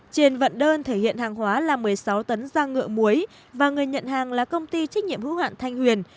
trên vận đơn thể hiện hàng hóa là một mươi sáu tấn da ngựa muối và người nhận hàng là công ty trách nhiệm hữu hạn thanh huyền